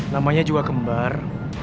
namanya juga kembar